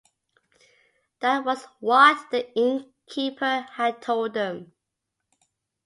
That was what the innkeeper had told them.